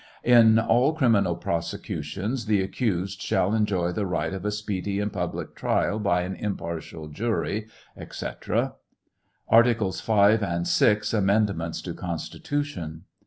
in alli|criminal prosecutions the accused shall enjoy the right of a speedy and public trial by an impartial jury, " &c. Articles 5 and 6 amend ments to Constitution.